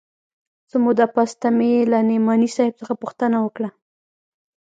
څه موده پس ته مې له نعماني صاحب څخه پوښتنه وکړه.